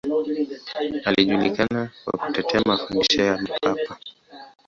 Alijulikana kwa kutetea mafundisho ya Mapapa.